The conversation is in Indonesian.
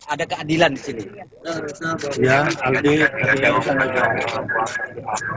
ada keadilan di sini